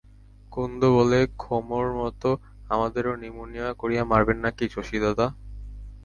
কুন্দ বলে, ক্ষেমির মতো আমাদেরও নিমুনিয়া করিয়ে মারবেন নাকি শশীদাদা?